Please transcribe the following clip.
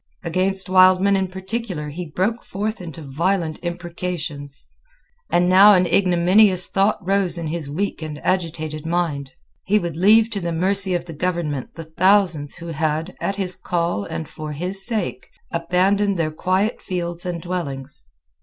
Against Wildman in particular he broke forth into violent imprecations. And now an ignominious thought rose in his weak and agitated mind. He would leave to the mercy of the government the thousands who had, at his call and for his sake, abandoned their quiet fields and dwellings.